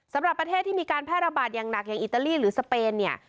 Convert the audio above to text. ประเทศที่มีการแพร่ระบาดอย่างหนักอย่างอิตาลีหรือสเปนเนี่ย